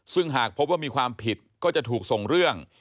ซึ่งหากพบว่ามีความผิดก็จะถูกส่งเรื่อง